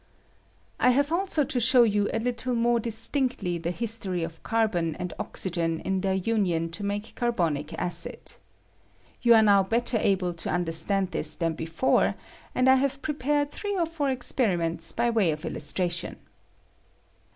I have also to show you a Uttlo more dis tinctly the history of carbon and oxygen in their imion to make carbonic acid. You are now better able to understand this than before, and I have prepared three or four experiments ^^B now b ^K audi COMBUSTION OF CARBON, 157 by way of illustration.